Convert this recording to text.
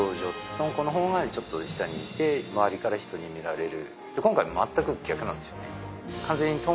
とんこの方がちょっと下にいて周りから人に見られる。